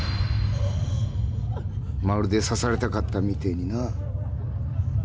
まるで刺されたかったみてえにな。